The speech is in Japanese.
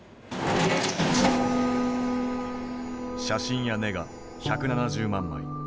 写真やネガ１７０万枚。